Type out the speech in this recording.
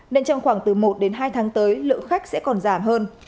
nên trong khoảng từ một đến hai tháng tới lượng khách sẽ còn giảm hơn